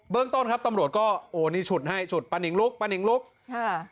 ต้นครับตำรวจก็โอ้นี่ฉุดให้ฉุดป้านิงลุกป้านิงลุกค่ะ